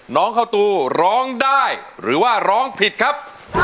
น้องข้าวตูร้องได้หรือว่าร้องผิดครับ